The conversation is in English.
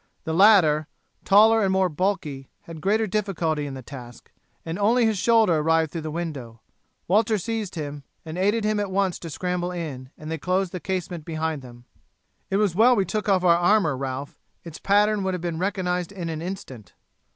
The latter, taller and more bulky, had greater difficulty in the task, and only his shoulder arrived through the window. Walter seized him, and aided him at once to scramble in, and they closed the casement behind them. "It was well we took off our armour, Ralph; its pattern would have been recognized in an instant."